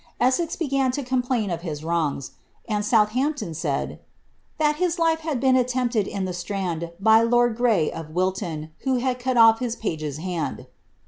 Essex began to complain of his wrongs ; and South ampton said ^ that his life had been attempted in the Strand by lord Grey, of Wilton, who had cut off his pagers hand.